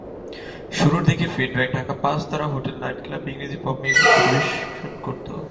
শুরুর দিকে ফিডব্যাক ঢাকার পাঁচ তারা হোটেলের নাইট ক্লাবে ইংরেজি পপ মিউজিক পরিবেশন করতো।